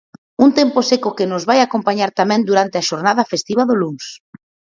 Un tempo seco que nos vai acompañar tamén durante a xornada festiva do luns.